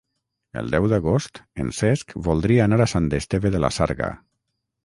El deu d'agost en Cesc voldria anar a Sant Esteve de la Sarga.